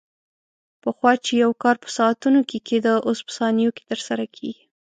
پخوا چې یو کار په ساعتونو کې کېده، اوس په ثانیو کې ترسره کېږي.